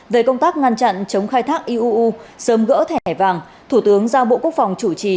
về công tác ngăn chặn chống khai thác iuu sớm gỡ thẻ vàng thủ tướng giao bộ quốc phòng chủ trì